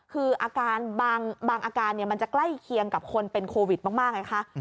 คือบางอาการเนี่ยมันจะใกล้เคียงกับคนเป็นโควิดมากเลยค่ะ